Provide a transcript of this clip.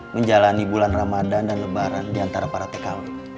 menjalani bulan ramadan dan lebaran diantara para tkw